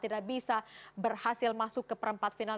tidak bisa berhasil masuk ke perempat final